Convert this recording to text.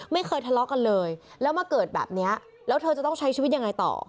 ไม่เคยทะเลาะกันเลยแล้วมาเกิดแบบนี้แล้วเธอจะต้องใช้ชีวิตยังไงต่อ